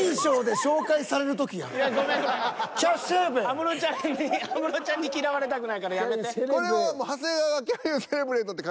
安室ちゃんに安室ちゃんに嫌われたくないからやめて。